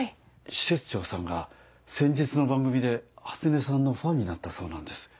施設長さんが先日の番組で初音さんのファンになったそうなんです。